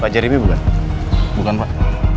pak jerryp bukan bukan pak